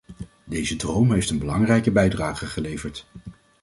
Deze droom heeft een belangrijke bijdrage geleverd.